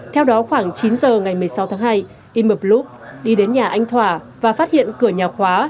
theo đó khoảng chín h ngày một mươi sáu tháng hai y mập lúc đi đến nhà anh thỏa và phát hiện cửa nhà khóa